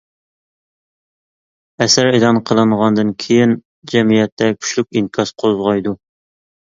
ئەسەر ئېلان قىلىنغاندىن كېيىن جەمئىيەتتە كۈچلۈك ئىنكاس قوزغايدۇ.